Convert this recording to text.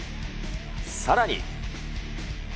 さらに。